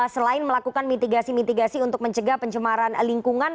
selain melakukan mitigasi mitigasi untuk mencegah pencemaran lingkungan